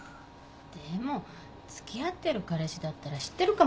でもつきあってる彼氏だったら知ってるかもよ。